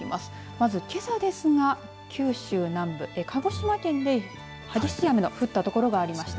まず、けさですが九州南部、鹿児島県で激しい雨の降った所がありました。